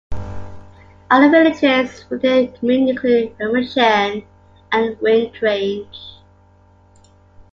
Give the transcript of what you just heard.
Other villages within the commune include Remerschen and Wintrange.